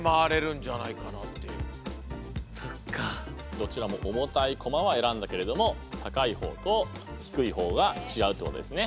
どちらも重たいコマは選んだけれども高い方と低い方が違うってことですね。